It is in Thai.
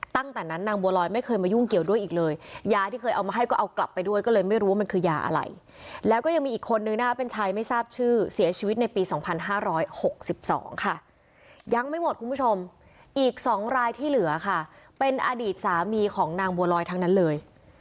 ตั้งแต่นั้นนางบัวลอยไม่เคยมายุ่งเกี่ยวด้วยอีกเลยยาที่เคยเอามาให้ก็เอากลับไปด้วยก็เลยไม่รู้ว่ามันคือยาอะไรแล้วก็ยังมีอีกคนนึงนะคะเป็นชายไม่ทราบชื่อเสียชีวิตในปี๒๕๖๒ค่ะยังไม่หมดคุณผู้ชมอีก๒รายที่เหลือค่ะเป็นอดีตสามีของนางบัวลอยทั้งนั้นเลย